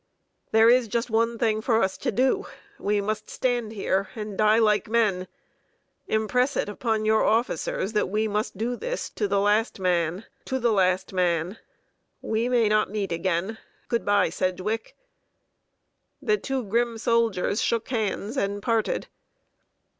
There is just one thing for us to do; we must stand here and die like men! Impress it upon your officers that we must do this to the last man to the last man! We may not meet again; good by, Sedgwick." The two grim soldiers shook hands, and parted.